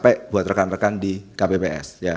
baik buat rekan rekan di kpps